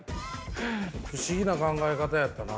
不思議な考え方やったな。